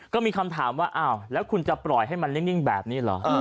ก็มีคำถามว่าอ้าวแล้วคุณจะปล่อยให้มันนิ่งแบบนี้เหรอ